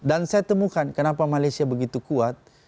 dan saya temukan kenapa malaysia begitu kuat